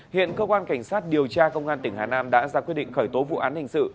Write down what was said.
hiện cơ quan cảnh sát điều tra công an tỉnh hà nam đã ra quyết định khởi tố vụ án hình sự